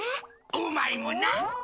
オマエもな！